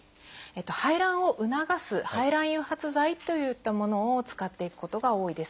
排卵を促す排卵誘発剤といったものを使っていくことが多いです。